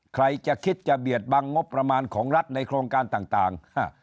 ใครจะคิดจะเบียดบังงบประมาณของรัฐในโครงการต่าง